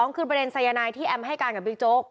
คือประเด็นสายนายที่แอมให้การกับบิ๊กโจ๊ก